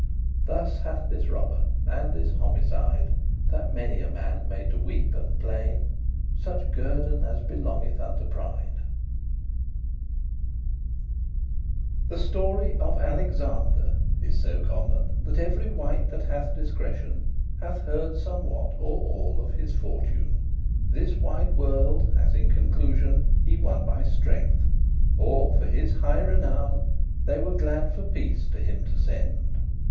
*dies Thus hath this robber, and this homicide, That many a manne made to weep and plain, Such guerdon* as belongeth unto pride. *reward The story of ALEXANDER is so commune, That ev'ry wight that hath discretion Hath heard somewhat or all of his fortune. This wide world, as in conclusion, He won by strength; or, for his high renown, They were glad for peace to him to send.